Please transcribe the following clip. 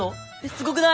すごくない！？